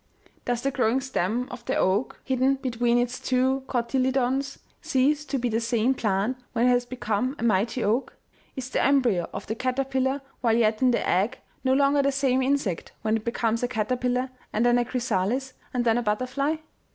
Does the growing stem of the oak, ISO OMEGA. hidden between its two cotyledons, cease to be the same plant when it has become a mighty oak ? Is the embryo of the caterpillar, while yet in the egg, no longer the same insect when it becomes a caterpillar, and then a chrysalis, and then a butterfly